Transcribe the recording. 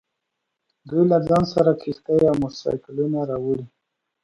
دوی له ځان سره کښتۍ او موټر سایکلونه راوړي